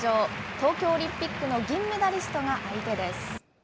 東京オリンピックの銀メダリストが相手です。